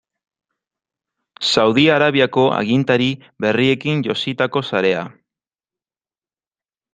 Saudi Arabiako agintari berriekin jositako sarea.